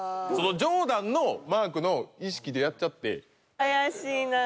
ジョーダンのマークの意識でやっちゃって。